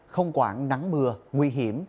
không quảng nắng mưa nguy hiểm